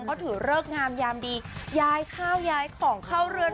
เขาถือเลิกงามยามดีย้ายข้าวย้ายของเข้าเรือน